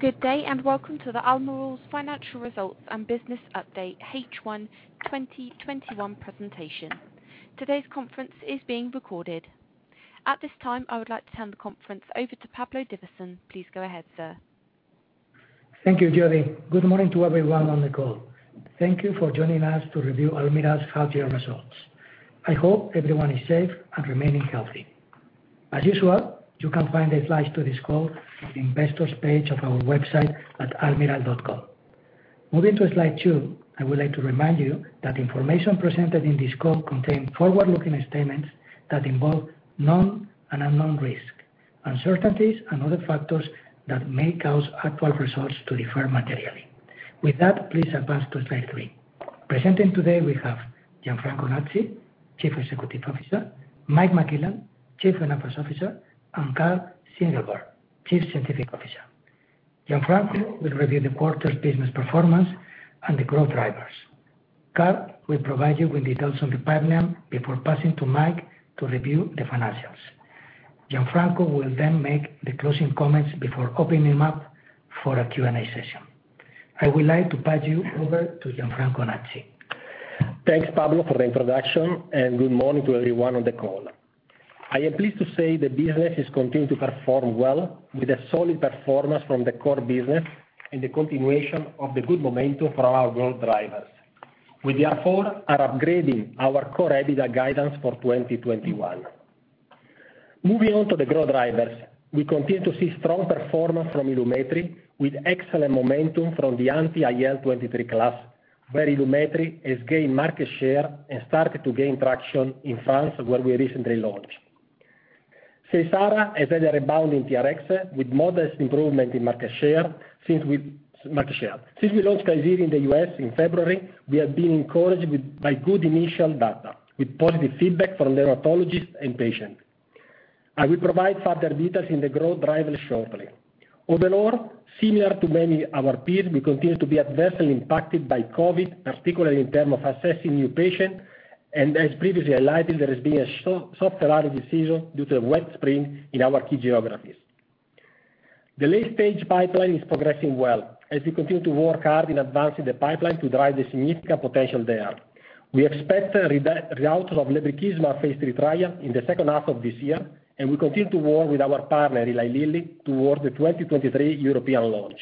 Good day, welcome to the Almirall's Financial Results and Business Update H1 2021 presentation. Today's conference is being recorded. At this time, I would like to turn the conference over to Pablo Divasson. Please go ahead, sir. Thank you, Jody. Good morning to everyone on the call. Thank you for joining us to review Almirall's half-year results. I hope everyone is safe and remaining healthy. As usual, you can find the slides to this call in the Investors page of our website at almirall.com. Moving to slide two, I would like to remind you that information presented in this call contains forward-looking statements that involve known and unknown risks, uncertainties, and other factors that may cause actual results to differ materially. With that, please advance to slide three. Presenting today, we have Gianfranco Nazzi, Chief Executive Officer, Mike McClellan, Chief Financial Officer, and Karl Ziegelbauer, Chief Scientific Officer. Gianfranco will review the quarter's business performance and the growth drivers. Karl will provide you with details on the pipeline before passing to Mike to review the financials. Gianfranco will then make the closing comments before opening up for a Q&A session. I would like to pass you over to Gianfranco Nazzi. Thanks, Pablo, for the introduction. Good morning to everyone on the call. I am pleased to say the business has continued to perform well with a solid performance from the core business and the continuation of the good momentum from our growth drivers. We therefore are upgrading our core EBITDA guidance for 2021. Moving on to the growth drivers. We continue to see strong performance from Ilumetri, with excellent momentum from the anti-IL-23 class, where Ilumetri has gained market share and started to gain traction in France, where we recently launched. SEYSARA has had a rebound in TRx with modest improvement in market share since we launched Klisyri in the U.S. in February. We have been encouraged by good initial data with positive feedback from dermatologists and patients. I will provide further details in the growth drivers shortly. Overall, similar to many of our peers, we continue to be adversely impacted by COVID, particularly in terms of assessing new patients, and as previously highlighted, there has been a softer outdoor season due to the wet spring in our key geographies. The late-stage pipeline is progressing well, as we continue to work hard in advancing the pipeline to drive the significant potential there. We expect readout of lebrikizumab phase III trial in the second half of this year, and we continue to work with our partner, Eli Lilly, towards the 2023 European launch.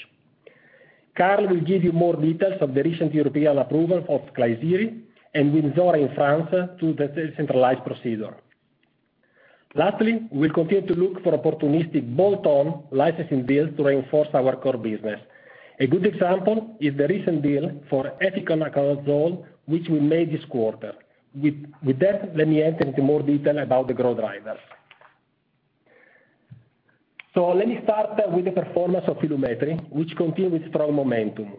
Karl will give you more details of the recent European approval of Klisyri and Wynzora in France through the centralized procedure. Lastly, we'll continue to look for opportunistic bolt-on licensing deals to reinforce our core business. A good example is the recent deal for efinaconazole, which we made this quarter. With that, let me enter into more detail about the growth drivers. Let me start with the performance of Ilumetri, which continued with strong momentum.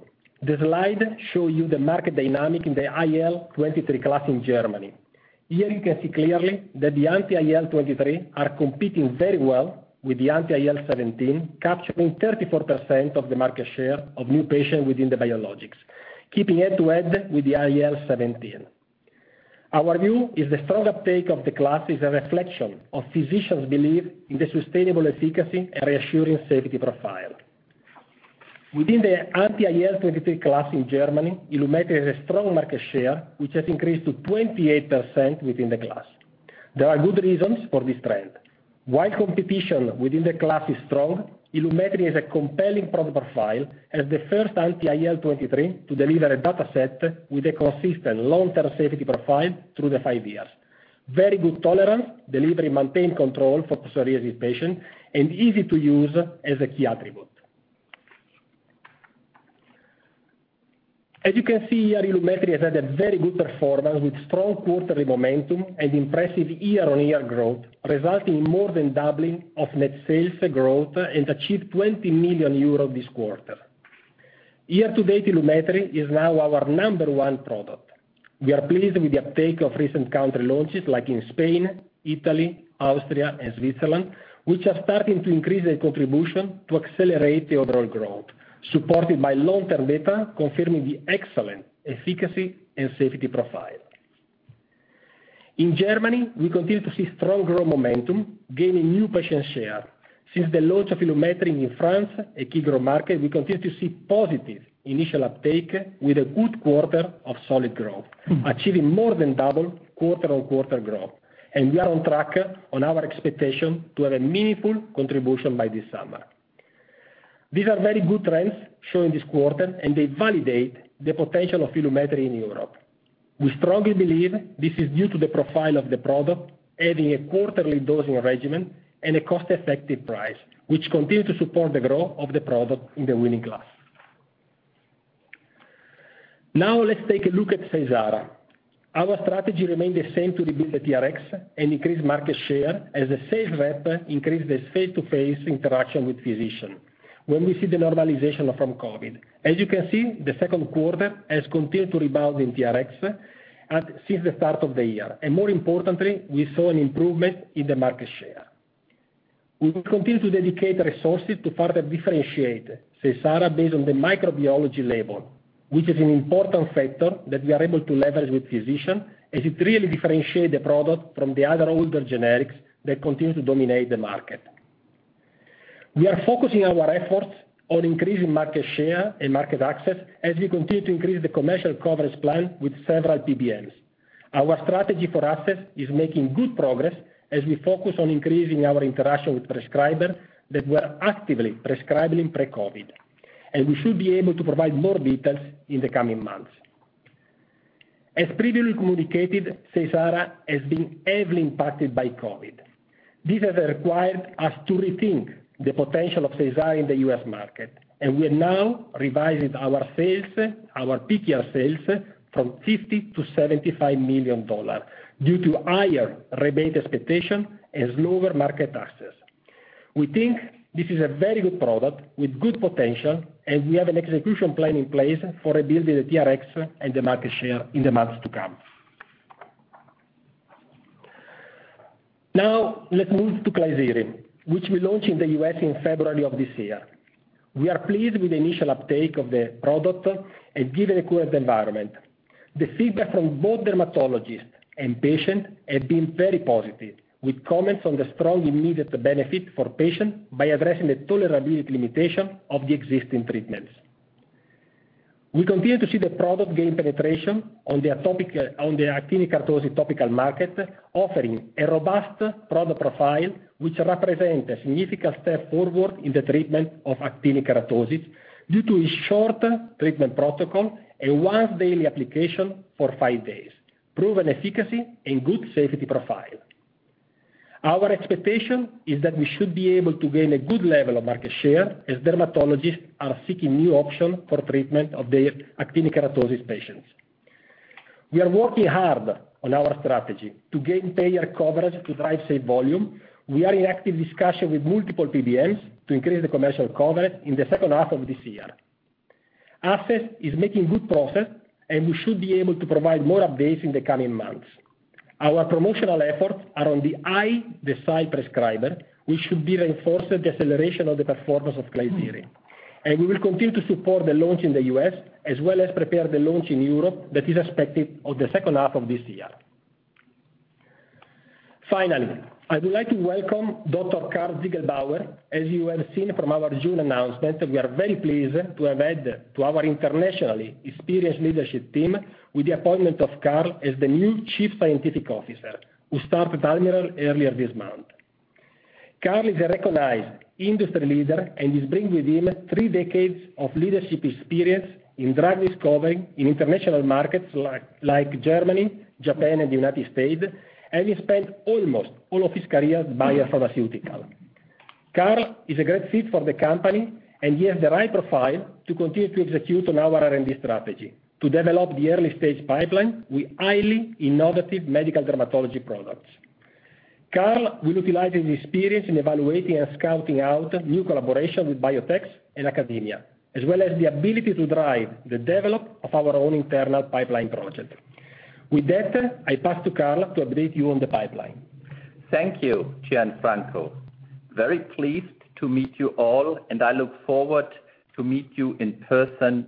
The slide shows you the market dynamic in the IL-23 class in Germany. Here you can see clearly that the anti-IL-23 are competing very well with the anti-IL-17, capturing 34% of the market share of new patients within the biologics, keeping head-to-head with the IL-17. Our view is the strong uptake of the class is a reflection of physicians' belief in the sustainable efficacy and reassuring safety profile. Within the anti-IL-23 class in Germany, Ilumetri has a strong market share, which has increased to 28% within the class. There are good reasons for this trend. While competition within the class is strong, Ilumetri has a compelling product profile as the first anti-IL-23 to deliver a dataset with a consistent long-term safety profile through the five years. Very good tolerance, delivery maintained control for psoriasis patients, and easy to use as a key attribute. As you can see here, Ilumetri has had a very good performance with strong quarterly momentum and impressive year-on-year growth, resulting in more than doubling of net sales growth and achieved 20 million euros this quarter. Year-to-date, Ilumetri is now our number 1 product. We are pleased with the uptake of recent country launches like in Spain, Italy, Austria, and Switzerland, which are starting to increase their contribution to accelerate the overall growth, supported by long-term data confirming the excellent efficacy and safety profile. In Germany, we continue to see strong growth momentum, gaining new patient share. Since the launch of Ilumetri in France, a key growth market, we continue to see positive initial uptake with a good quarter of solid growth, achieving more than double quarter-on-quarter growth. We are on track on our expectation to have a meaningful contribution by this summer. These are very good trends shown this quarter, and they validate the potential of Ilumetri in Europe. We strongly believe this is due to the profile of the product having a quarterly dosing regimen and a cost-effective price, which continue to support the growth of the product in the winning class. Let's take a look at SEYSARA. Our strategy remains the same to rebuild the TRx and increase market share as the sales rep increase this face-to-face interaction with physicians when we see the normalization from COVID. As you can see, the second quarter has continued to rebound in TRx since the start of the year. More importantly, we saw an improvement in the market share. We will continue to dedicate resources to further differentiate SEYSARA based on the microbiology label, which is an important factor that we are able to leverage with physicians, as it really differentiates the product from the other older generics that continue to dominate the market. We are focusing our efforts on increasing market share and market access as we continue to increase the commercial coverage plan with several PBMs. Our strategy for access is making good progress as we focus on increasing our interaction with prescribers that were actively prescribing pre-COVID, and we should be able to provide more details in the coming months. As previously communicated, SEYSARA has been heavily impacted by COVID. This has required us to rethink the potential of SEYSARA in the U.S. market. We have now revised our peak year sales to $50 million-$75 million due to higher rebate expectations and lower market access. We think this is a very good product with good potential. We have an execution plan in place for building the TRx and the market share in the months to come. Let's move to Klisyri, which we launched in the U.S. in February of this year. We are pleased with the initial uptake of the product and given the current environment. The feedback from both dermatologists and patients has been very positive, with comments on the strong immediate benefit for patients by addressing the tolerability limitation of the existing treatments. We continue to see the product gain penetration on the actinic keratosis topical market, offering a robust product profile, which represents a significant step forward in the treatment of actinic keratosis due to its short treatment protocol and once-daily application for five days, proven efficacy, and good safety profile. Our expectation is that we should be able to gain a good level of market share as dermatologists are seeking new options for treatment of their actinic keratosis patients. We are working hard on our strategy to gain payer coverage to drive safe volume. We are in active discussion with multiple PBMs to increase the commercial coverage in the second half of this year. Access is making good progress, and we should be able to provide more updates in the coming months. Our promotional efforts are on the eye, the site prescriber, which should reinforce the acceleration of the performance of Klisyri. We will continue to support the launch in the U.S. as well as prepare the launch in Europe that is expected in the second half of this year. Finally, I would like to welcome Dr. Karl Ziegelbauer. As you have seen from our June announcement, we are very pleased to have added to our internationally experienced leadership team with the appointment of Karl as the new Chief Scientific Officer, who started Almirall earlier this month. Karl is a recognized industry leader and is bringing with him three decades of leadership experience in drug discovery in international markets like Germany, Japan, and the United States, and he spent almost all of his career at Bayer Pharmaceutical. Karl is a great fit for the company. He has the right profile to continue to execute on our R&D strategy to develop the early-stage pipeline with highly innovative medical dermatology products. Karl will utilize his experience in evaluating and scouting out new collaboration with biotechs and academia, as well as the ability to drive the development of our own internal pipeline project. With that, I pass to Karl to update you on the pipeline. Thank you, Gianfranco. Very pleased to meet you all, and I look forward to meet you in person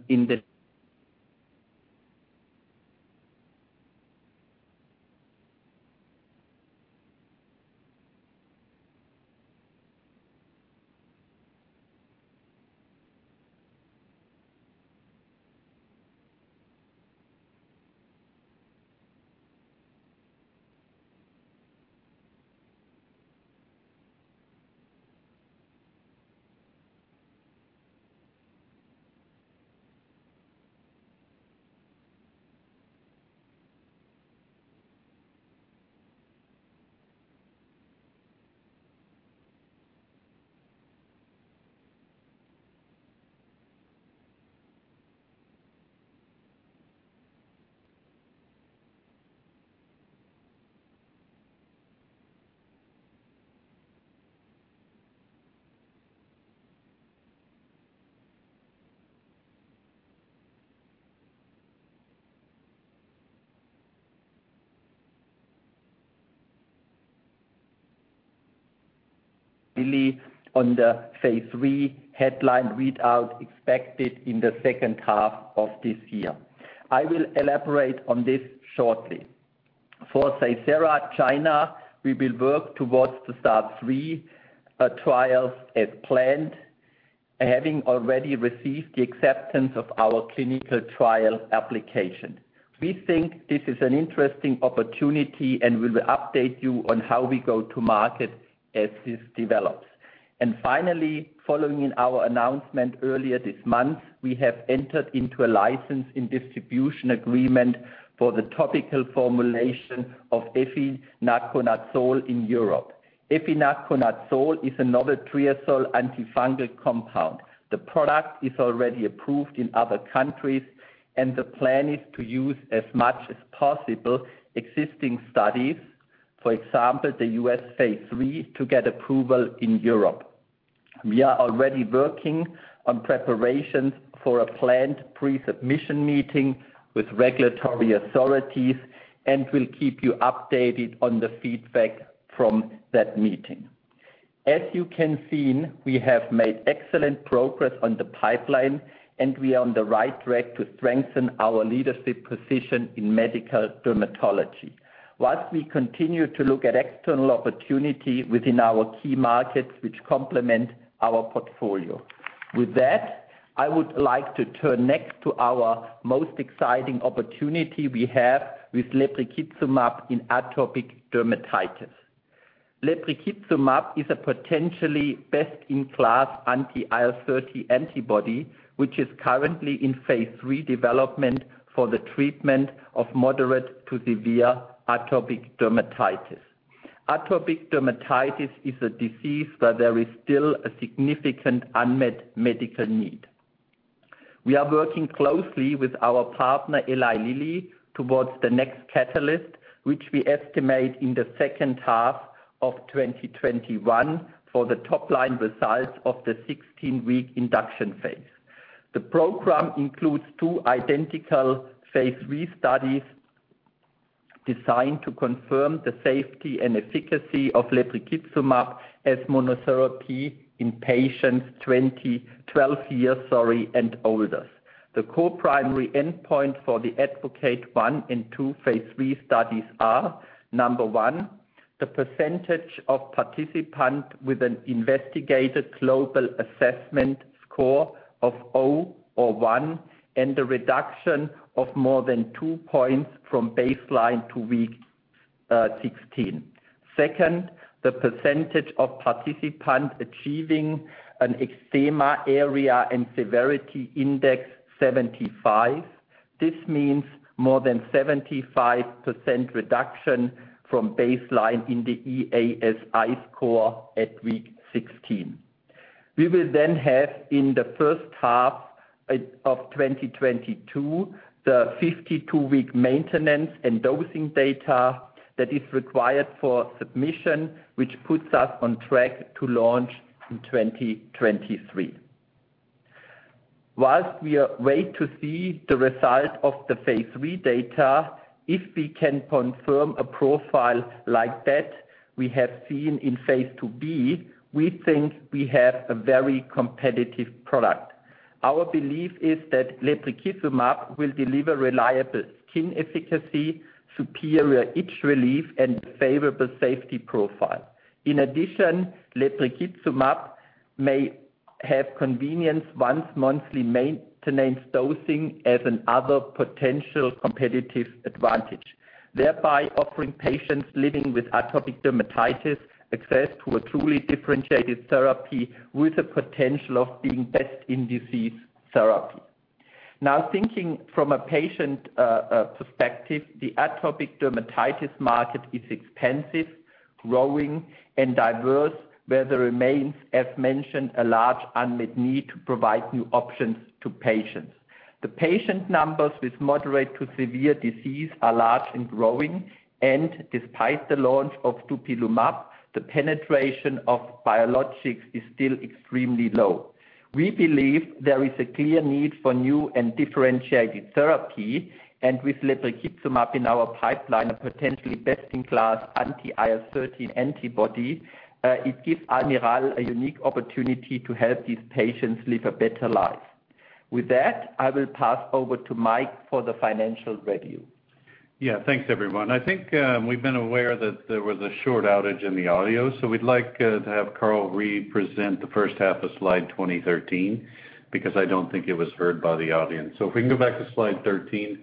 on the phase III headline readout expected in the second half of this year. I will elaborate on this shortly. For SEYSARA China, we will work towards to start three trials as planned, having already received the acceptance of our clinical trial application. We think this is an interesting opportunity. We will update you on how we go to market as this develops. Finally, following our announcement earlier this month, we have entered into a license and distribution agreement for the topical formulation of efinaconazole in Europe. Efinaconazole is another triazole antifungal compound. The product is already approved in other countries. The plan is to use as much as possible existing studies. For example, the U.S. phase III to get approval in Europe. We are already working on preparations for a planned pre-submission meeting with regulatory authorities and will keep you updated on the feedback from that meeting. As you can see, we have made excellent progress on the pipeline, and we are on the right track to strengthen our leadership position in medical dermatology, while we continue to look at external opportunity within our key markets, which complement our portfolio. With that, I would like to turn next to our most exciting opportunity we have with lebrikizumab in atopic dermatitis. Lebrikizumab is a potentially best-in-class anti-IL-13 antibody, which is currently in phase III development for the treatment of moderate to severe atopic dermatitis. Atopic dermatitis is a disease where there is still a significant unmet medical need. We are working closely with our partner, Eli Lilly, towards the next catalyst, which we estimate in the second half of 2021 for the top-line results of the 16-week induction phase. The program includes two identical phase III studies designed to confirm the safety and efficacy of lebrikizumab as monotherapy in patients 12 years, sorry, and older. The core primary endpoint for the ADvocate 1 and 2 phase III studies are, number one, the percentage of participant with an Investigator's Global Assessment score of 0 or 1, and a reduction of more than two points from baseline to week 16. Second, the percentage of participant achieving an Eczema Area and Severity Index 75. This means more than 75% reduction from baseline in the EASI score at week 16. We will have, in the first half of 2022, the 52-week maintenance and dosing data that is required for submission, which puts us on track to launch in 2023. We wait to see the result of the phase III data, if we can confirm a profile like that we have seen in phase II-B, we think we have a very competitive product. Our belief is that lebrikizumab will deliver reliable skin efficacy, superior itch relief, and favorable safety profile. In addition, lebrikizumab may have convenience once-monthly maintenance dosing as another potential competitive advantage, thereby offering patients living with atopic dermatitis access to a truly differentiated therapy with the potential of being best-in-disease therapy. Thinking from a patient perspective, the atopic dermatitis market is expansive, growing, and diverse, where there remains, as mentioned, a large unmet need to provide new options to patients. The patient numbers with moderate to severe disease are large and growing, and despite the launch of dupilumab, the penetration of biologics is still extremely low. We believe there is a clear need for new and differentiated therapy, and with lebrikizumab in our pipeline, a potentially best-in-class anti-IL-13 antibody, it gives Almirall a unique opportunity to help these patients live a better life. With that, I will pass over to Mike for the financial review. Thanks, everyone. I think we've been aware that there was a short outage in the audio. We'd like to have Karl re-present the first half of slide 13, because I don't think it was heard by the audience. If we can go back to slide 13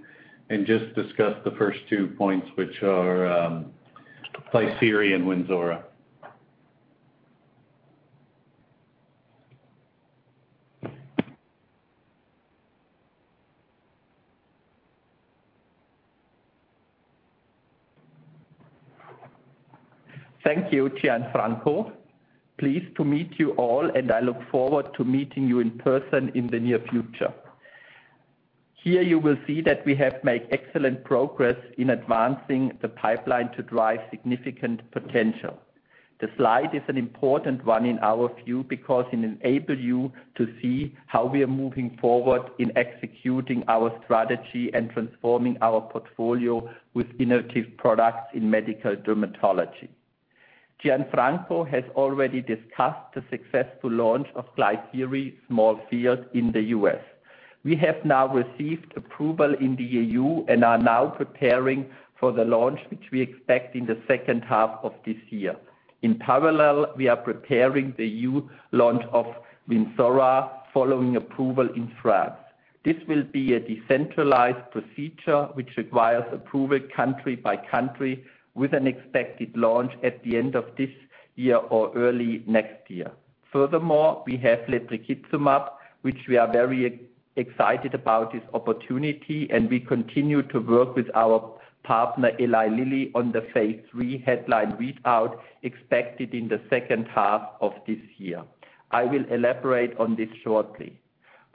and just discuss the first two points, which are Klisyri, Wynzora. Thank you, Gianfranco. Pleased to meet you all, and I look forward to meeting you in person in the near future. Here you will see that we have made excellent progress in advancing the pipeline to drive significant potential. The slide is an important one in our view, because it enable you to see how we are moving forward in executing our strategy and transforming our portfolio with innovative products in medical dermatology. Gianfranco has already discussed the successful launch of Klisyri in the U.S. We have now received approval in the EU and are now preparing for the launch, which we expect in the second half of this year. In parallel, we are preparing the EU launch of Wynzora following approval in France. This will be a decentralized procedure which requires approval country by country, with an expected launch at the end of this year or early next year. We have lebrikizumab, which we are very excited about this opportunity, and we continue to work with our partner, Eli Lilly, on the phase III headline readout expected in the second half of this year. I will elaborate on this shortly.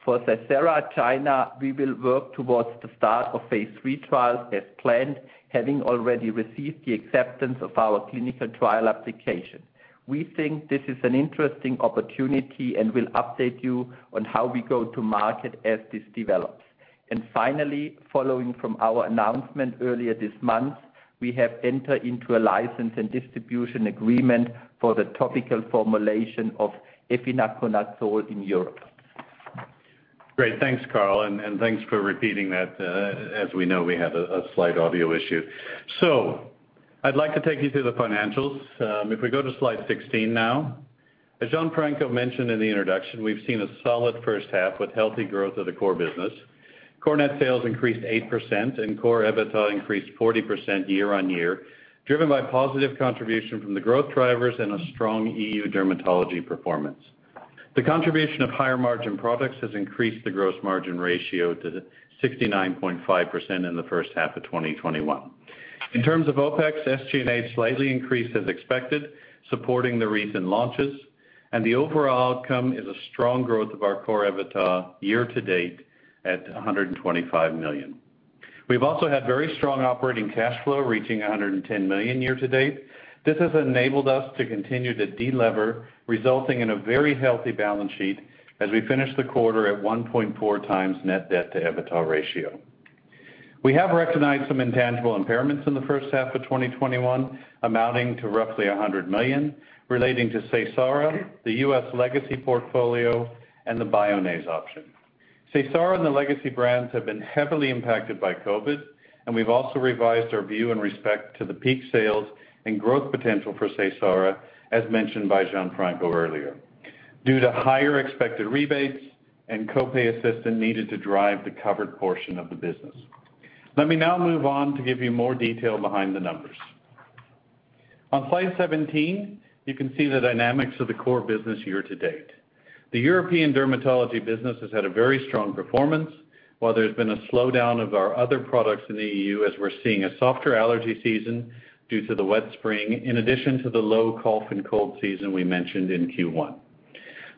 For SEYSARA China, we will work towards the start of phase III trials as planned, having already received the acceptance of our clinical trial application. We think this is an interesting opportunity and will update you on how we go to market as this develops. Finally, following from our announcement earlier this month, we have entered into a license and distribution agreement for the topical formulation of efinaconazole in Europe. Great. Thanks, Karl, and thanks for repeating that. As we know, we had a slight audio issue. I'd like to take you through the financials. If we go to slide 16 now. As Gianfranco mentioned in the introduction, we've seen a solid first half with healthy growth of the core business. Core net sales increased 8% and core EBITDA increased 40% year-on-year, driven by positive contribution from the growth drivers and a strong EU dermatology performance. The contribution of higher margin products has increased the gross margin ratio to 69.5% in the first half of 2021. In terms of OpEx, SG&A slightly increased as expected, supporting the recent launches, and the overall outcome is a strong growth of our core EBITDA year-to-date at 125 million. We've also had very strong operating cash flow, reaching 110 million year-to-date. This has enabled us to continue to de-lever, resulting in a very healthy balance sheet as we finish the quarter at 1.4x net debt to EBITDA ratio. We have recognized some intangible impairments in the first half of 2021, amounting to roughly 100 million, relating to SEYSARA, the U.S. legacy portfolio, and the Bioniz option. SEYSARA and the legacy brands have been heavily impacted by COVID, and we've also revised our view in respect to the peak sales and growth potential for SEYSARA, as mentioned by Gianfranco earlier, due to higher expected rebates and co-pay assistance needed to drive the covered portion of the business. Let me now move on to give you more detail behind the numbers. On slide 17, you can see the dynamics of the core business year to date. The European dermatology business has had a very strong performance, while there's been a slowdown of our other products in the EU as we're seeing a softer allergy season due to the wet spring, in addition to the low cough and cold season we mentioned in Q1.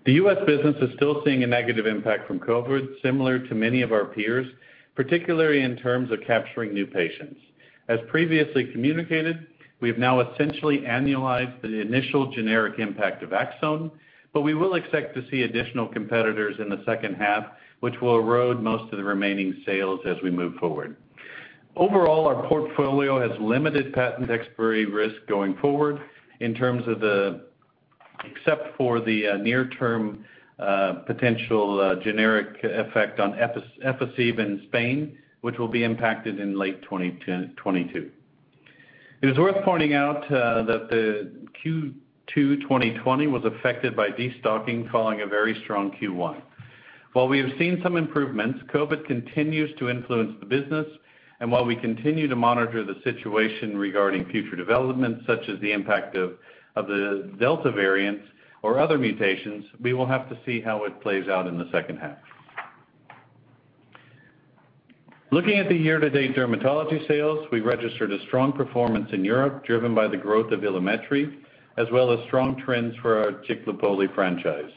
The U.S. business is still seeing a negative impact from COVID, similar to many of our peers, particularly in terms of capturing new patients. As previously communicated, we've now essentially annualized the initial generic impact of Aczone, but we will expect to see additional competitors in the second half, which will erode most of the remaining sales as we move forward. Overall, our portfolio has limited patent expiry risk going forward except for the near-term potential generic effect on Efficib in Spain, which will be impacted in late 2022. It is worth pointing out that the Q2 2020 was affected by de-stocking following a very strong Q1. While we have seen some improvements, COVID continues to influence the business, and while we continue to monitor the situation regarding future developments, such as the impact of the Delta variant or other mutations, we will have to see how it plays out in the second half. Looking at the year-to-date dermatology sales, we registered a strong performance in Europe, driven by the growth of Ilumetri, as well as strong trends for our Ciclopoli franchise.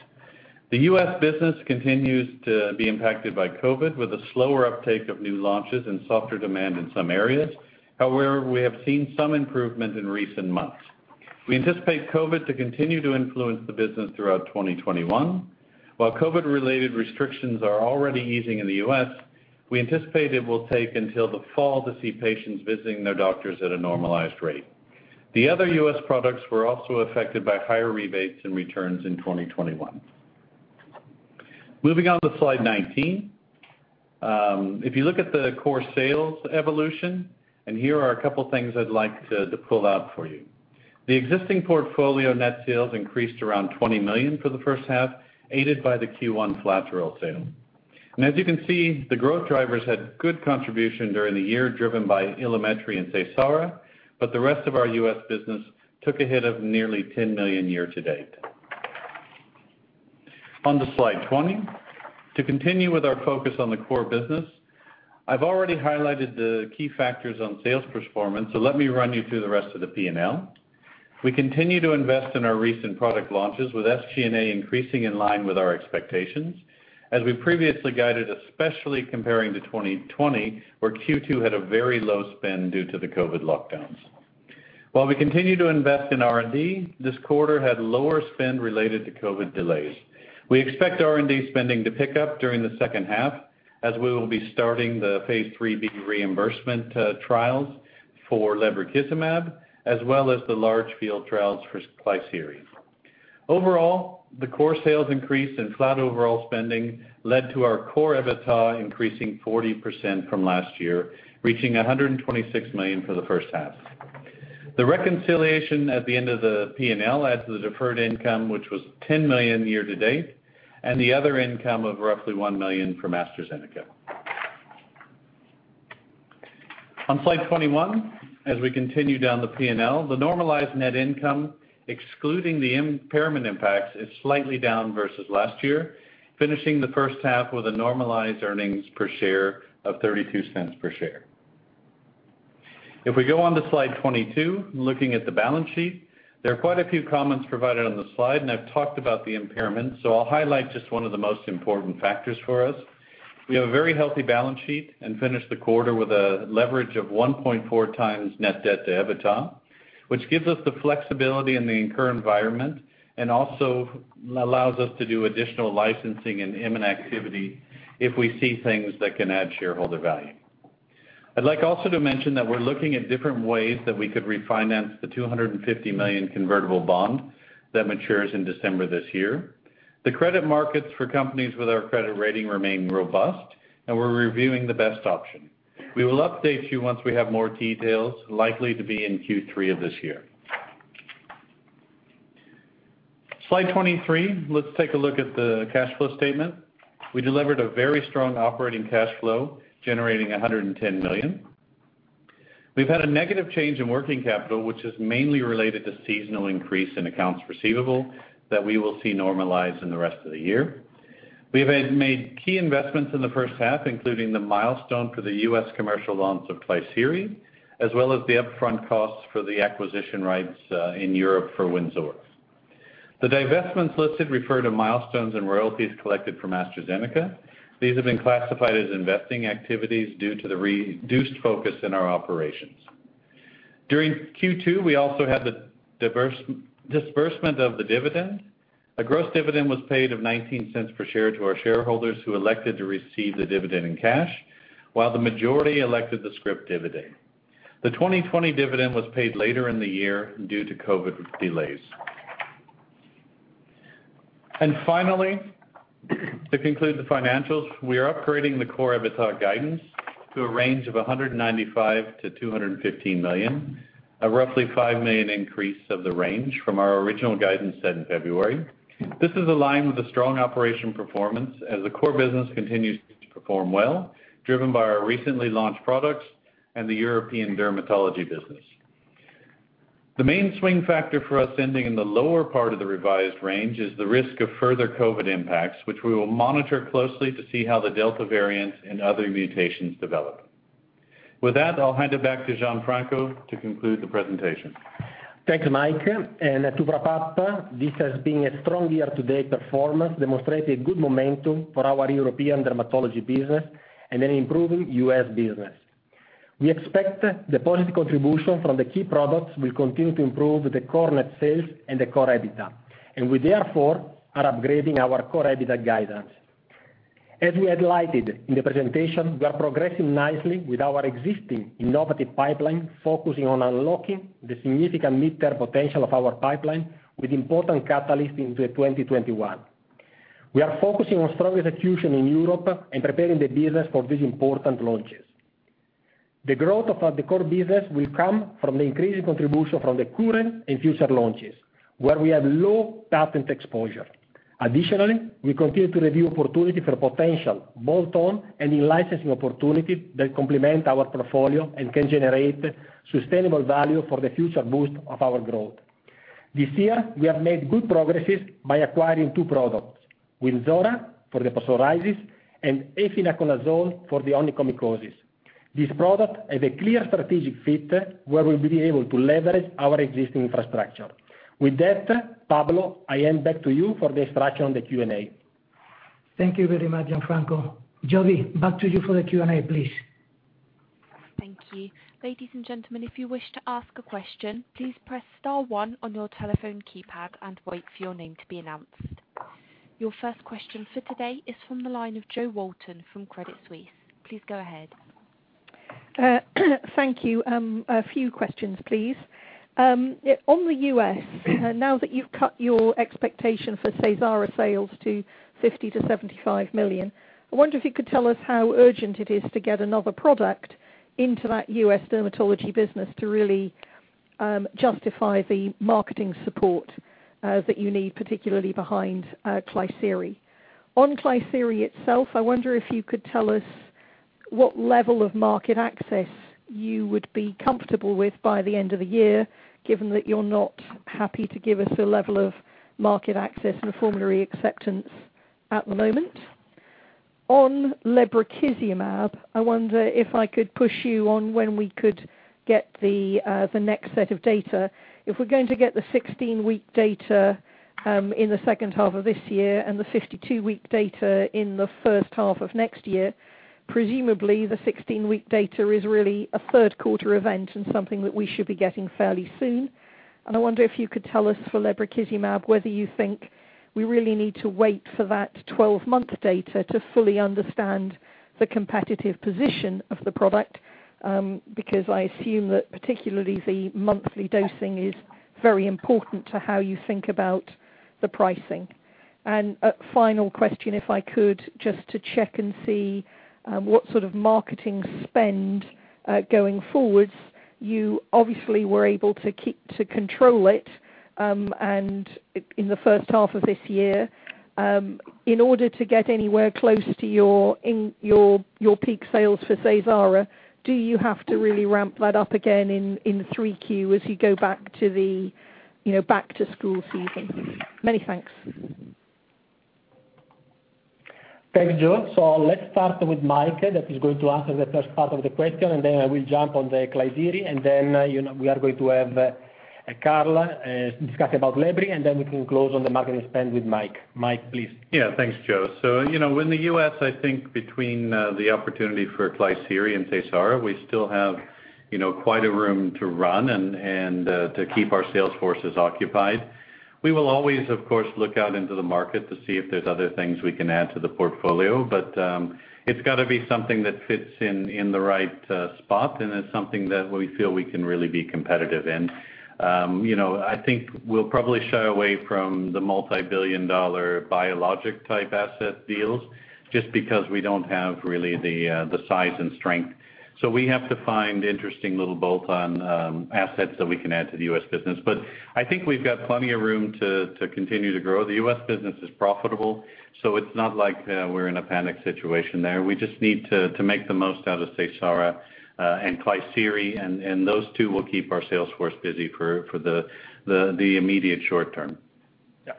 The U.S. business continues to be impacted by COVID, with a slower uptake of new launches and softer demand in some areas. However, we have seen some improvement in recent months. We anticipate COVID to continue to influence the business throughout 2021. While COVID-related restrictions are already easing in the U.S., we anticipate it will take until the fall to see patients visiting their doctors at a normalized rate. The other U.S. products were also affected by higher rebates and returns in 2021. Moving on to slide 19. If you look at the core sales evolution, here are a couple things I'd like to pull out for you. The existing portfolio net sales increased around 20 million for the first half, aided by the Q1 Flatoril sale. As you can see, the growth drivers had good contribution during the year, driven by Ilumetri and SEYSARA, but the rest of our U.S. business took a hit of nearly 10 million year-to-date. On to slide 20. To continue with our focus on the core business, I've already highlighted the key factors on sales performance, so let me run you through the rest of the P&L. We continue to invest in our recent product launches, with SG&A increasing in line with our expectations, as we previously guided, especially comparing to 2020, where Q2 had a very low spend due to the COVID lockdowns. While we continue to invest in R&D, this quarter had lower spend related to COVID delays. We expect R&D spending to pick up during the second half, as we will be starting the phase III reimbursement trials for lebrikizumab, as well as the large field trials for Klisyri. Overall, the core sales increase and flat overall spending led to our core EBITDA increasing 40% from last year, reaching 126 million for the first half. The reconciliation at the end of the P&L adds the deferred income, which was 10 million year to date, and the other income of roughly 1 million from AstraZeneca. On slide 21, as we continue down the P&L, the normalized net income, excluding the impairment impacts, is slightly down versus last year, finishing the first half with a normalized earnings per share of 0.32 per share. If we go on to slide 22, looking at the balance sheet, there are quite a few comments provided on the slide, and I have talked about the impairment, so I will highlight just one of the most important factors for us. We have a very healthy balance sheet and finished the quarter with a leverage of 1.4x net debt to EBITDA, which gives us the flexibility in the current environment and also allows us to do additional licensing and M&A activity if we see things that can add shareholder value. I'd like also to mention that we're looking at different ways that we could refinance the 250 million convertible bond that matures in December this year. The credit markets for companies with our credit rating remain robust. We're reviewing the best option. We will update you once we have more details, likely to be in Q3 of this year. Slide 23. Let's take a look at the cash flow statement. We delivered a very strong operating cash flow, generating 110 million. We've had a negative change in working capital, which is mainly related to seasonal increase in accounts receivable that we will see normalize in the rest of the year. We have made key investments in the first half, including the milestone for the U.S. commercial launch of Klisyri, as well as the upfront costs for the acquisition rights in Europe for Wynzora. The divestments listed refer to milestones and royalties collected from AstraZeneca. These have been classified as investing activities due to the reduced focus in our operations. During Q2, we also had the disbursement of the dividend. A gross dividend was paid of 0.19 per share to our shareholders who elected to receive the dividend in cash, while the majority elected the scrip dividend. The 2020 dividend was paid later in the year due to COVID delays. Finally, to conclude the financials, we are upgrading the core EBITDA guidance to a range of 195 million-215 million, a roughly 5 million increase of the range from our original guidance set in February. This is aligned with the strong operation performance as the core business continues to perform well, driven by our recently launched products and the European dermatology business. The main swing factor for us ending in the lower part of the revised range is the risk of further COVID impacts, which we will monitor closely to see how the Delta variant and other mutations develop. With that, I'll hand it back to Gianfranco to conclude the presentation. Thank you, Mike. To wrap up, this has been a strong year-to-date performance, demonstrating good momentum for our European dermatology business and an improving U.S. business. We expect the positive contribution from the key products will continue to improve the core net sales and the core EBITDA. We therefore are upgrading our core EBITDA guidance. As we highlighted in the presentation, we are progressing nicely with our existing innovative pipeline, focusing on unlocking the significant mid-term potential of our pipeline with important catalysts into 2021. We are focusing on strong execution in Europe and preparing the business for these important launches. The growth of the core business will come from the increasing contribution from the current and future launches, where we have low patent exposure. Additionally, we continue to review opportunity for potential bolt-on and in-licensing opportunities that complement our portfolio and can generate sustainable value for the future boost of our growth. This year, we have made good progresses by acquiring two products, Wynzora for the psoriasis and efinaconazole for the onychomycosis. This product has a clear strategic fit where we'll be able to leverage our existing infrastructure. With that, Pablo, I hand back to you for the introduction on the Q&A. Thank you very much, Gianfranco. Jovi, back to you for the Q&A, please. Thank you. Ladies and gentlemen, if you wish to ask a question, please press star one on your telephone keypad and wait for your name to be announced. Your first question for today is from the line of Jo Walton from Credit Suisse. Please go ahead. Thank you. A few questions, please. On the U.S., now that you've cut your expectation for SEYSARA sales to $50 million-$75 million, I wonder if you could tell us how urgent it is to get another product into that U.S. dermatology business to really justify the marketing support that you need, particularly behind Klisyri. On Klisyri itself, I wonder if you could tell us what level of market access you would be comfortable with by the end of the year, given that you're not happy to give us a level of market access and formulary acceptance at the moment. On lebrikizumab, I wonder if I could push you on when we could get the next set of data. If we're going to get the 16-week data in the second half of this year and the 52-week data in the first half of next year, presumably the 16-week data is really a third quarter event and something that we should be getting fairly soon. I wonder if you could tell us for lebrikizumab, whether you think we really need to wait for that 12-month data to fully understand the competitive position of the product, because I assume that particularly the monthly dosing is very important to how you think about the pricing. A final question, if I could, just to check and see what sort of marketing spend going forwards. You obviously were able to control it in the first half of this year. In order to get anywhere close to your peak sales for SEYSARA, do you have to really ramp that up again in 3Q as you go back to school season? Many thanks. Thanks, Jo. Let's start with Mike, that is going to answer the first part of the question. I will jump on the Klisyri. we are going to have Karl discuss about lebri. we can close on the marketing spend with Mike. Mike, please. Thanks, Jo. In the U.S., I think between the opportunity for Klisyri and SEYSARA, we still have quite a room to run and to keep our sales forces occupied. We will always, of course, look out into the market to see if there's other things we can add to the portfolio, but it's got to be something that fits in the right spot, and it's something that we feel we can really be competitive in. I think we'll probably shy away from the multi-billion-dollar biologic-type asset deals just because we don't have really the size and strength. We have to find interesting little bolt-on assets that we can add to the U.S. business. I think we've got plenty of room to continue to grow. The U.S. business is profitable, so it's not like we're in a panic situation there. We just need to make the most out of SEYSARA and Klisyri, and those two will keep our sales force busy for the immediate short term. Yeah.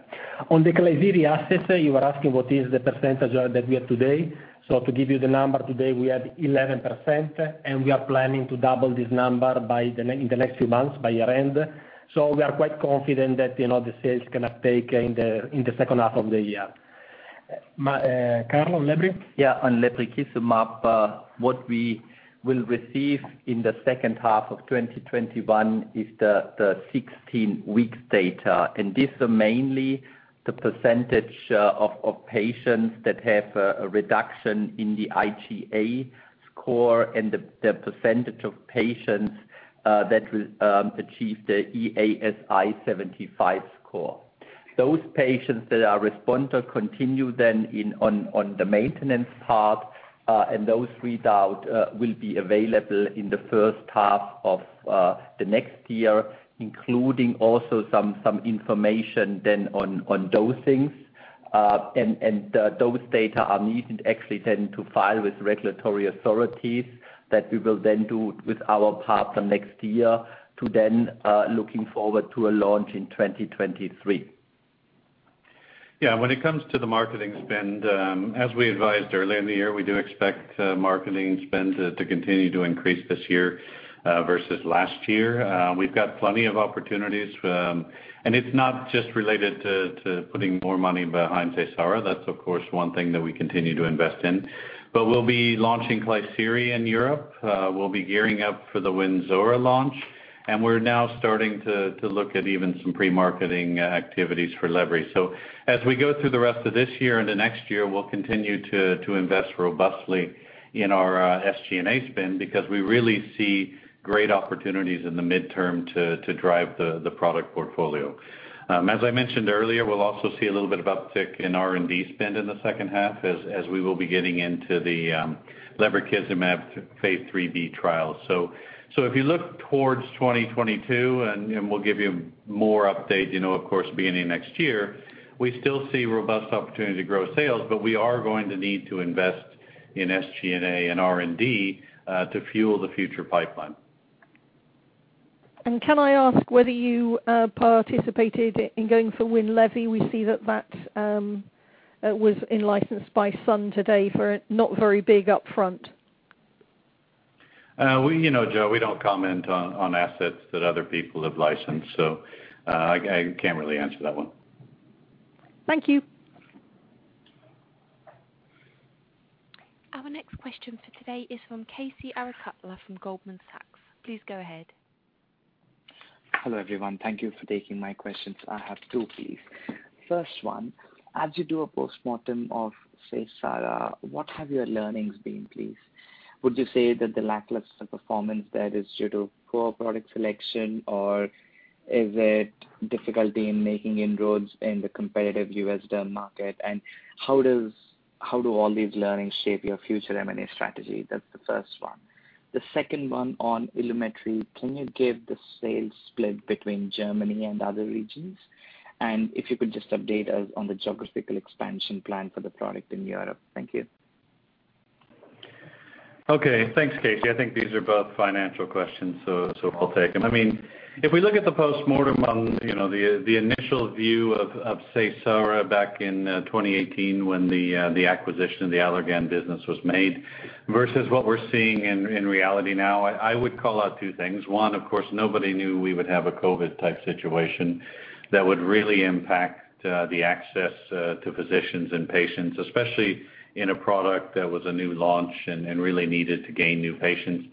On the Klisyri asset, you were asking what is the percentage that we have today. To give you the number today, we are at 11%, and we are planning to double this number in the next few months, by year-end. We are quite confident that the sales are going to take in the second half of the year. Karl, Lebri? Yeah. On lebrikizumab, what we will receive in the second half of 2021 is the 16-week data. This is mainly the percentage of patients that have a reduction in the IGA score and the percentage of patients that will achieve the EASI-75 score. Those patients that are responder continue then on the maintenance part, and those readout will be available in the first half of next year, including also some information then on dosings. Those data are needed actually then to file with regulatory authorities that we will then do with our partner next year to then looking forward to a launch in 2023. Yeah. When it comes to the marketing spend, as we advised earlier in the year, we do expect marketing spend to continue to increase this year versus last year. We've got plenty of opportunities. It's not just related to putting more money behind SEYSARA. That's of course, one thing that we continue to invest in. We'll be launching Klisyri in Europe. We'll be gearing up for the Wynzora launch, and we're now starting to look at even some pre-marketing activities for Lebri. As we go through the rest of this year and the next year, we'll continue to invest robustly in our SG&A spend because we really see great opportunities in the midterm to drive the product portfolio. As I mentioned earlier, we'll also see a little bit of uptick in R&D spend in the second half as we will be getting into the lebrikizumab phase III-B trial. If you look towards 2022, and we'll give you more update, of course, beginning next year, we still see robust opportunity to grow sales, but we are going to need to invest in SG&A and R&D to fuel the future pipeline. Can I ask whether you participated in going for WINLEVI? We see that that was in-licensed by Sun today for not very big upfront. Jo, we don't comment on assets that other people have licensed, so I can't really answer that one. Thank you. Our next question for today is from K.C. Arikatla from Goldman Sachs. Please go ahead. Hello, everyone. Thank you for taking my questions. I have two, please. First one, as you do a postmortem of SEYSARA, what have your learnings been, please? Would you say that the lackluster performance there is due to poor product selection, or is it difficulty in making inroads in the competitive U.S. derm market? How do all these learnings shape your future M&A strategy? That's the first one. The second one on Ilumetri, can you give the sales split between Germany and other regions? If you could just update us on the geographical expansion plan for the product in Europe. Thank you. Okay. Thanks, K.C. I think these are both financial questions, so I'll take them. If we look at the postmortem on the initial view of SEYSARA back in 2018 when the acquisition of the Allergan business was made versus what we're seeing in reality now, I would call out two things. One, of course, nobody knew we would have a COVID-type situation that would really impact the access to physicians and patients, especially in a product that was a new launch and really needed to gain new patients.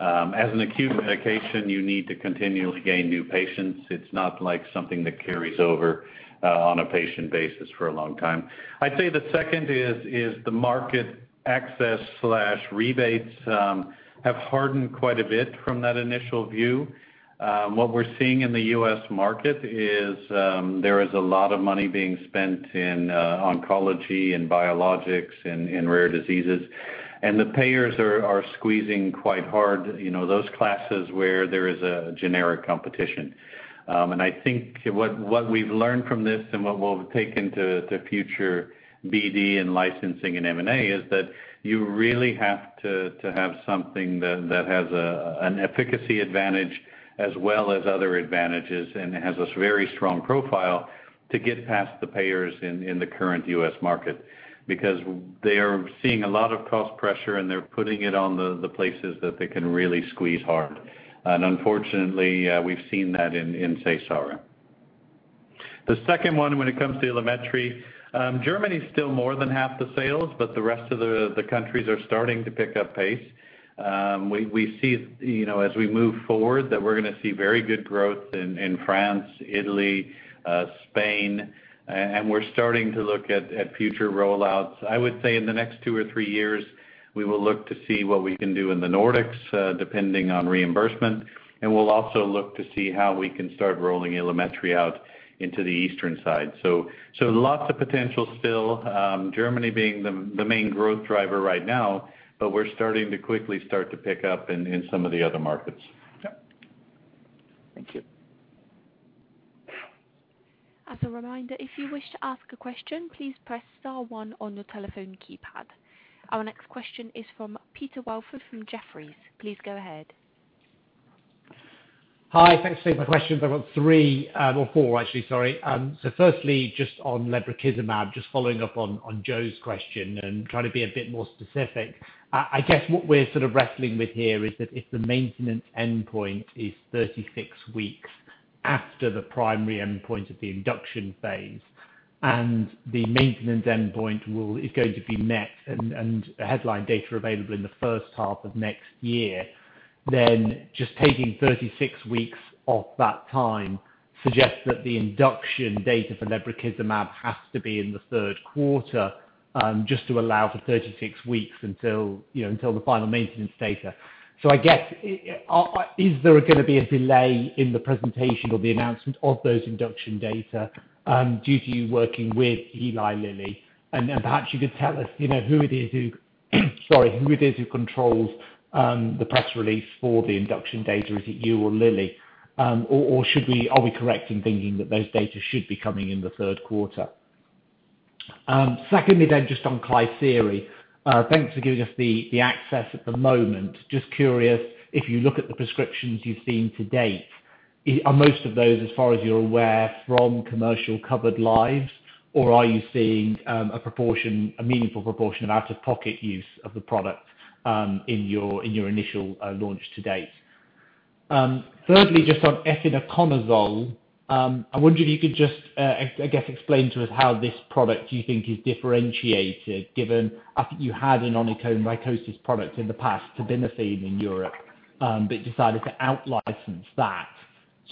As an acute medication, you need to continually gain new patients. It's not like something that carries over on a patient basis for a long time. I'd say the second is the market access/rebates have hardened quite a bit from that initial view. What we're seeing in the U.S. market is there is a lot of money being spent in oncology and biologics and in rare diseases, and the payers are squeezing quite hard those classes where there is a generic competition. I think what we've learned from this and what we'll take into future BD and licensing and M&A is that you really have to have something that has an efficacy advantage as well as other advantages and has a very strong profile to get past the payers in the current U.S. market. Because they are seeing a lot of cost pressure, and they're putting it on the places that they can really squeeze hard. Unfortunately, we've seen that in SEYSARA. The second one, when it comes to Ilumetri, Germany is still more than half the sales, but the rest of the countries are starting to pick up pace. We see as we move forward that we're going to see very good growth in France, Italy, Spain, and we're starting to look at future rollouts. I would say in the next two or three years, we will look to see what we can do in the Nordics, depending on reimbursement. We'll also look to see how we can start rolling Ilumetri out into the eastern side. Lots of potential still, Germany being the main growth driver right now, but we're starting to quickly start to pick up in some of the other markets. Yeah. Thank you. As a reminder, if you wish to ask a question, please press star one on your telephone keypad. Our next question is from Peter Welford from Jefferies. Please go ahead. Hi, thanks for taking my questions. I've got three, or four actually, sorry. Firstly, just on lebrikizumab, just following up on Jo's question and trying to be a bit more specific. I guess what we're sort of wrestling with here is that if the maintenance endpoint is 36 weeks after the primary endpoint of the induction phase, and the maintenance endpoint is going to be met, and headline data available in the first half of next year, just taking 36 weeks off that time suggests that the induction data for lebrikizumab has to be in the third quarter, just to allow for 36 weeks until the final maintenance data. I guess, is there going to be a delay in the presentation or the announcement of those induction data, due to you working with Eli Lilly? Perhaps you could tell us, who it is who controls the press release for the induction data. Is it you or Lilly? Are we correct in thinking that those data should be coming in the third quarter? Secondly, just on Klisyri. Thanks for giving us the access at the moment. Just curious, if you look at the prescriptions you've seen to date, are most of those, as far as you're aware, from commercial covered lives, or are you seeing a meaningful proportion of out-of-pocket use of the product in your initial launch to date? Thirdly, just on efinaconazole. I wonder if you could just, I guess, explain to us how this product, you think, is differentiated given, I think you had an onychomycosis product in the past, terbinafine, in Europe, but decided to out-license that.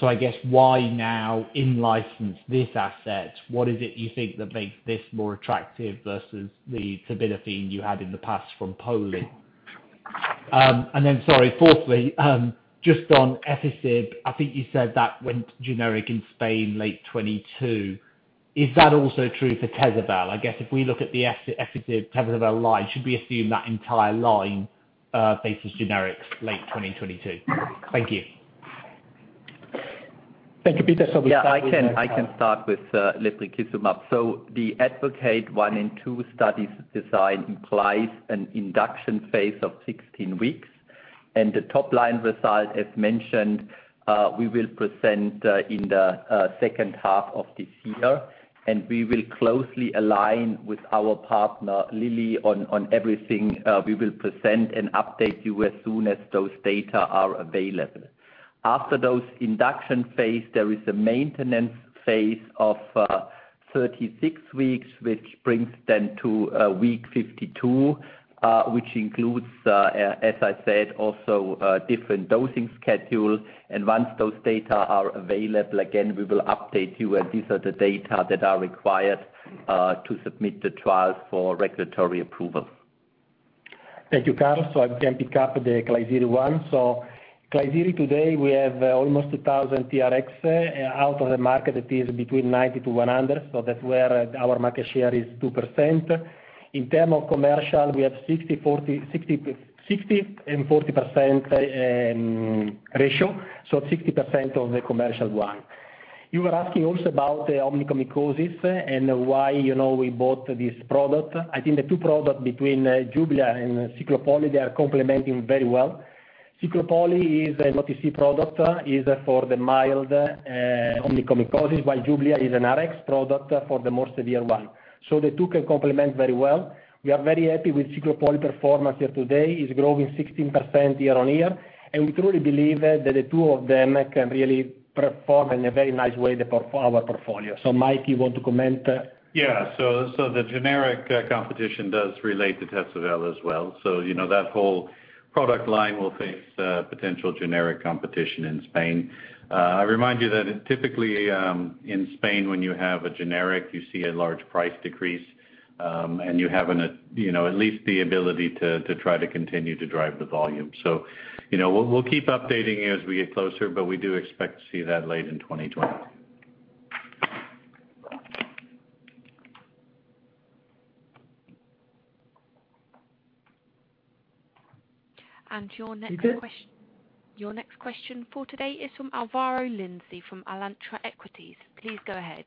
I guess why now in-license this asset? What is it you think that makes this more attractive versus the terbinafine you had in the past from Poland? Sorry, fourthly, just on efinaconazole. I think you said that went generic in Spain late 2022. Is that also true for Tesavel? I guess if we look at the efinaconazole Tesavel line, should we assume that entire line faces generics late 2022? Thank you. Thank you, Peter. Shall we start with Karl? Yeah, I can start with lebrikizumab. The ADvocate 1 and 2 studies design implies an induction phase of 16 weeks. The top-line result, as mentioned, we will present in the second half of this year. We will closely align with our partner, Lilly, on everything. We will present and update you as soon as those data are available. After those induction phase, there is a maintenance phase of 36 weeks, which brings then to week 52, which includes, as I said, also different dosing schedules. Once those data are available, again, we will update you as these are the data that are required to submit the trials for regulatory approval. Thank you, Karl. I can pick up the Klisyri one. Klisyri today, we have almost 2,000 TRXs out of the market. It is between 90 to 100. That's where our market share is 2%. In term of commercial, we have 60/40 ratio. 60% of the commercial one. You were asking also about the onychomycosis and why we bought this product. I think the two product between Jublia and Ciclopoli, they are complementing very well. Ciclopoli is an OTC product, is for the mild onychomycosis, while Jublia is an RX product for the more severe one. The two can complement very well. We are very happy with Ciclopoli performance here today. It's growing 16% year-over-year. We truly believe that the two of them can really perform in a very nice way for our portfolio. Mike, you want to comment? The generic competition does relate to Tesavel as well. You know that whole product line will face potential generic competition in Spain. I remind you that typically, in Spain when you have a generic, you see a large price decrease, and you have at least the ability to try to continue to drive the volume. We'll keep updating you as we get closer, but we do expect to see that late in 2022. Your next question for today is from Álvaro Lenze from Alantra Equities. Please go ahead.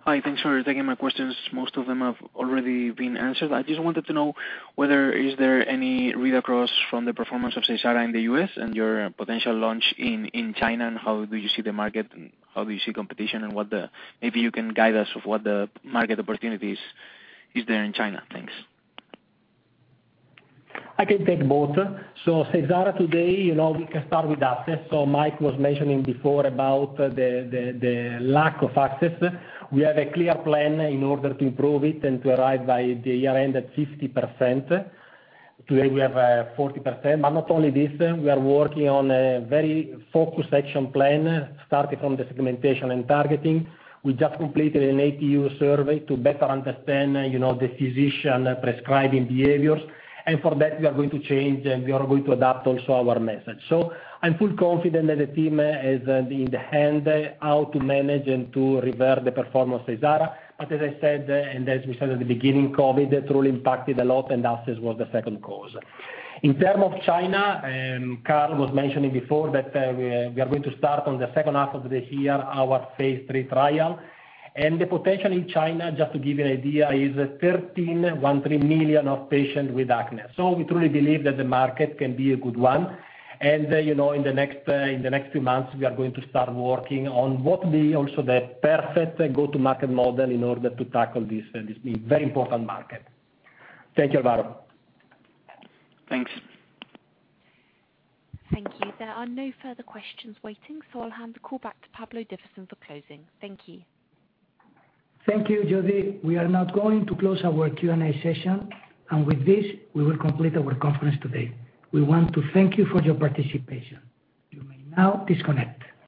Hi, thanks for taking my questions. Most of them have already been answered. I just wanted to know whether is there any read across from the performance of SEYSARA in the U.S. and your potential launch in China, and how do you see the market, and how do you see competition and maybe you can guide us of what the market opportunities is there in China. Thanks. I can take both. SEYSARA today, we can start with access. Mike was mentioning before about the lack of access. We have a clear plan in order to improve it and to arrive by the year-end at 50%. Today we have 40%. Not only this, we are working on a very focused action plan starting from the segmentation and targeting. We just completed an ATU survey to better understand the physician prescribing behaviors. For that, we are going to change and we are going to adapt also our message. I'm full confident that the team has in the hand how to manage and to revert the performance SEYSARA. As I said, and as we said at the beginning, COVID truly impacted a lot and access was the second cause. In term of China, Karl was mentioning before that we are going to start on the second half of the year our phase III trial. The potential in China, just to give you an idea, is 13 million of patient with acne. We truly believe that the market can be a good one. In the next few months, we are going to start working on what be also the perfect go-to-market model in order to tackle this very important market. Thank you, Álvaro. Thanks. Thank you. There are no further questions waiting, so I'll hand the call back to Pablo Divasson for closing. Thank you. Thank you, Jody. We are now going to close our Q&A session, and with this, we will complete our conference today. We want to thank you for your participation. You may now disconnect.